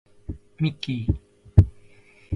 ミッキー